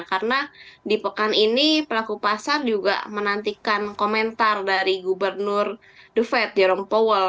karena di pekan ini pelaku pasar juga menantikan komentar dari gubernur duvet jerom powell